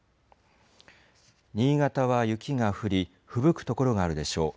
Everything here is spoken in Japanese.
新潟は雪が降り、ふぶく所があるでしょう。